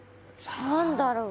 何だろう？